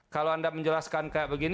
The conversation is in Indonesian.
kalau anda menjelaskan kayak begini